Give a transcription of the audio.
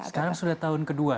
sekarang sudah tahun kedua